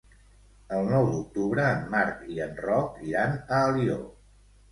El nou d'octubre en Marc i en Roc iran a Alió.